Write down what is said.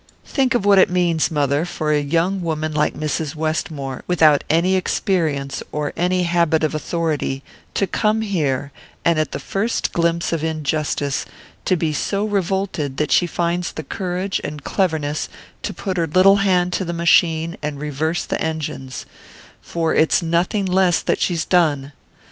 "Think of what it means, mother, for a young woman like Mrs. Westmore, without any experience or any habit of authority, to come here, and at the first glimpse of injustice, to be so revolted that she finds the courage and cleverness to put her little hand to the machine and reverse the engines for it's nothing less that she's done!